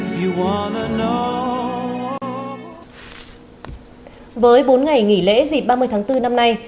với bốn ngày nghỉ lễ dịp ba mươi tháng bốn năm nay